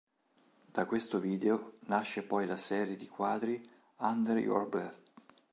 Da questo video nasce poi la serie di quadri "Under your breath".